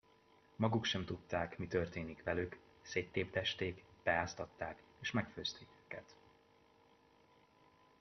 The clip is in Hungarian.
Maguk sem tudták, mi történik velük: széttépdesték, beáztatták és megfőzték őket.